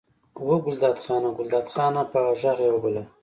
وه ګلداد خانه! ګلداد خانه! په غږ یې وبلل.